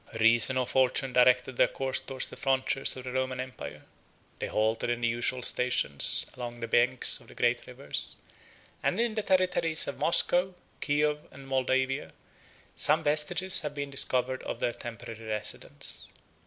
2111 Reason or fortune directed their course towards the frontiers of the Roman empire: they halted in the usual stations along the banks of the great rivers; and in the territories of Moscow, Kiow, and Moldavia, some vestiges have been discovered of their temporary residence.